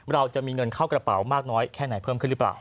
เราจะมีเงินเข้ากระเป๋ามากน้อยแค่ไหนเพิ่มขึ้นหรือเปล่า